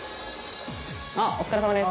あっお疲れさまです。